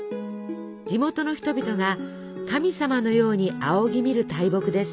地元の人々が神様のように仰ぎ見る大木です。